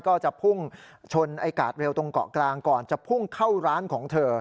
ก็จะพุ่งชนไอ้กาดเร็วตรงเกาะกลางก่อนจะพุ่งเข้าร้านของเธอ